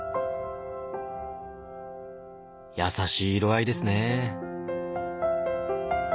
やさしい色合いですね。